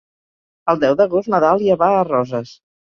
El deu d'agost na Dàlia va a Roses.